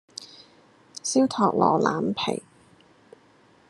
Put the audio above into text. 燒托羅腩皮